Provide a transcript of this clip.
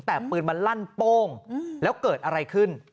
แต่ปืนมันลั่นโป้งแล้วเกิดอะไรขึ้น